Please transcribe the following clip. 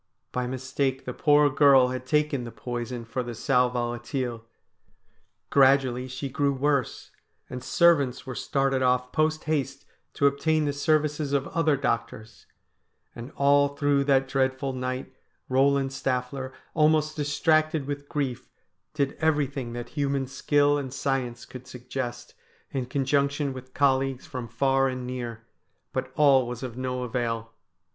By mistake the poor girl had taken the poison for the sal volatile. Gradually she grew worse, and servants were started off post haste to obtain the services of other doctors, and all through that dreadful night Eoland Staffier, almost distracted with grief, did everything that human skill and science could suggest, in conjunction with colleagues from far and near, but all was of no avail.